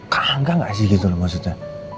kangga gak sih gitu loh maksudnya